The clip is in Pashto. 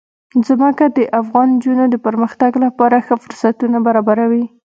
ځمکه د افغان نجونو د پرمختګ لپاره ښه فرصتونه برابروي.